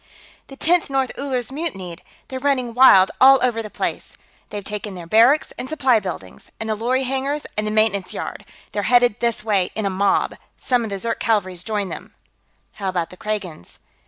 "The Tenth North Uller's mutinied; they're running wild all over the place. They've taken their barracks and supply buildings, and the lorry hangars and the maintenance yard; they're headed this way in a mob. Some of the Zirk Cavalry's joined them." "How about the Kragans?"